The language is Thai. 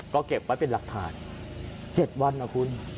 ก็เก็บไว้เป็นหลักฐานเจ็ดวันเหรอคุณ